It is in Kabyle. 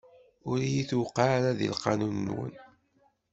Ur iyi-tuqiɛ ara di lqanun-nwen.